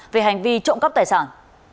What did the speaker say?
về hành vi trộm cấp tài sản